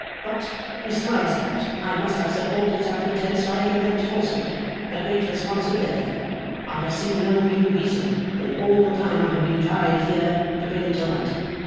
But, besides that I must have supported such pretence by a direct falsehood (a great responsibility), I have seen no new reason, in all the time I have been tried here, to bring it to light.